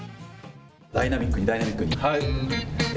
ダイナミックに、ダイナミックに。